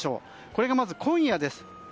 これがまず今夜です。